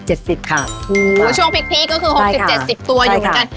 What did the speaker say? ช่วงพิกพรีกก็คือ๖๐๗๐ตัวอยู่เหมือนกัน